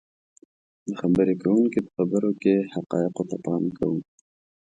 . د خبرې کوونکي په خبرو کې حقایقو ته پام کوو